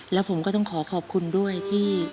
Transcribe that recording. แล้วผมก็ต้องขอขอบคุณด้วยที่